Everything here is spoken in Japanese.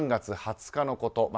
３月２０日のこと。